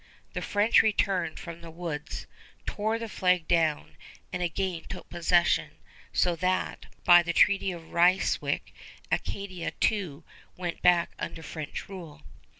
The French returned from the woods, tore the flag down, and again took possession; so that, by the Treaty of Ryswick, Acadia too went back under French rule.